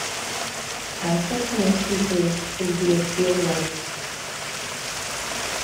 Access to most features is via sealed roads.